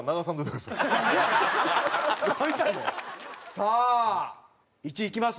さあ１位いきます？